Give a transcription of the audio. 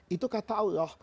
itu kata allah